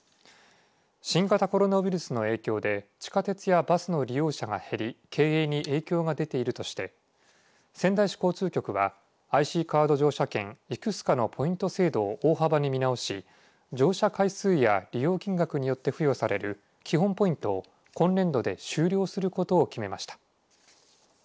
新型コロナウイルスの影響で地下鉄やバスの利用者が減り経営に影響が出ているとして仙台市交通局はＩＣカード乗車券ｉｃｓｃａのポイント制度を大幅に見直し乗車回数や利用金額によって付与される基本ポイントを今年度で終了することを決めました。